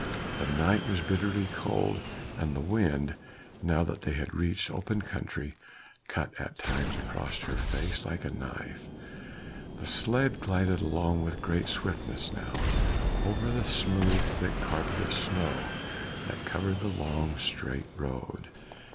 The night was bitterly cold, and the wind, now that they had reached open country, cut at times across her face like a knife. The sledge glided along with great swiftness now, over the smooth, thick carpet of snow that covered the long, straight road.